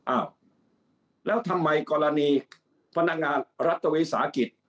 อ้าวแล้วทำไมกรณีพนักงานรัฐวิสาหกิจ